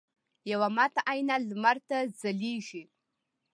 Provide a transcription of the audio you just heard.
یوه ماته آینه لمر ته ځلیږي